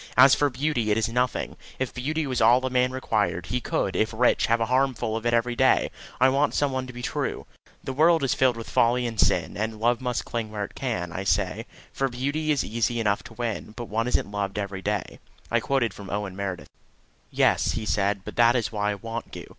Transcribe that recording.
As for beauty, it is nothing. If beauty was all a man required, he could, if rich, have a harem full of it any day. I want some one to be true." "The world is filled with folly and sin, And love must cling where it can, I say; For beauty is easy enough to win, But one isn't loved every day," I quoted from Owen Meredith. "Yes," he said, "that is why I want you.